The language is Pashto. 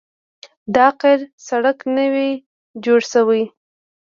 دا قیر سړک نوی جوړ شوی